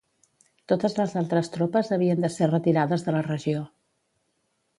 Totes les altres tropes havien de ser retirades de la regió.